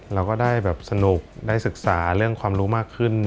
เราก็ได้แบบสนุกได้ศึกษาเรื่องความรู้มากขึ้น